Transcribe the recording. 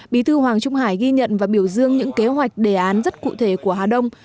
bí thư hoàng trung hải ghi nhận và biểu dương những kế hoạch đề án rất cụ thể của hà đông